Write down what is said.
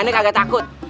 aneh kagak takut